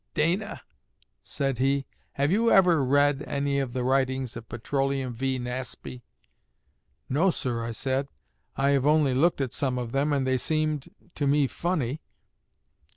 'Dana,' said he, 'have you ever read any of the writings of Petroleum V. Nasby?' 'No, sir,' I said, 'I have only looked at some of them, and they seemed to me funny.'